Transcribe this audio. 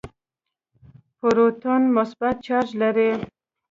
پروتون مثبت چارج لري.